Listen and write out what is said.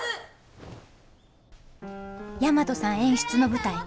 大和さん演出の舞台